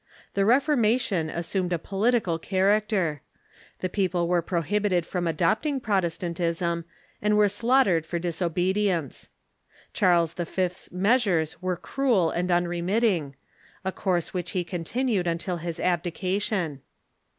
The Ref ormation assumed a political character. The people were prohibited from adopting Protestantism, and were slaugh tered for disobedience. Charles V.'s measures were cruel and unremitting — a course which he continued until his abdica jLion.